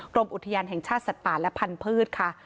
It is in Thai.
กรมอุทยานแห่งชาติสัตว์ป่าและพันธุ์ค่ะ